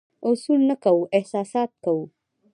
اصول نه کوو، احساسات کوو.